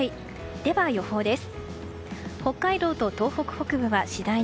では予報です。